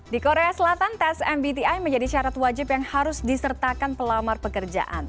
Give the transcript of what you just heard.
di korea selatan tes mbti menjadi syarat wajib yang harus disertakan pelamar pekerjaan